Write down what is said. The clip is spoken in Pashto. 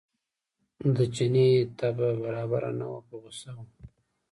د چیني طبع برابره نه وه په غوسه و.